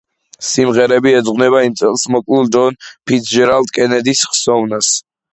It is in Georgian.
სიმღერები ეძღვნება იმ წელს მოკლულ ჯონ ფიცჯერალდ კენედის ხსოვნას.